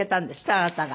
あなたが。